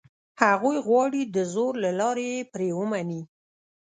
هغوی غواړي دزور له لاري یې پرې ومني.